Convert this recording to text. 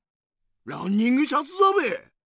ランニングシャツだべ！